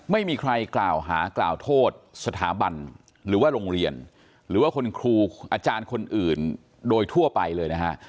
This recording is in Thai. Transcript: ไม่มีใครกล่าวหากล่าวโทษสถาบันหรือว่าโรงเรียนหรือว่าคุณครูอาจารย์คนอื่นโดยทั่วไปเลยนะฮะ